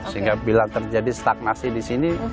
sehingga bila terjadi stagnasi di sini